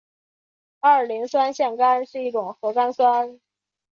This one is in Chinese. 二磷酸腺苷是一种核苷酸。